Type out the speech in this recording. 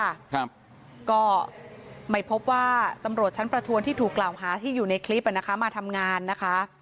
ครับก็ไม่พบว่าตำรวจชั้นประทวนที่ถูกกล่าวหาที่อยู่ในคลิปอ่ะนะคะมาทำงานนะคะ